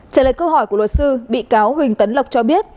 trả lời câu hỏi của luật sư bị cáo huỳnh tấn lộc cho biết